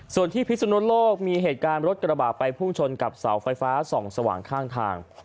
ส่วนที่พิสุนโลกมีเหตุการณ์รถกระบาดไปพุ่งชนกับเสาไฟฟ้าส่องสว่างข้างทาง